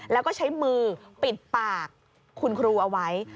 แล้วก็ใช้มือปิดปากคุณครูเอาไว้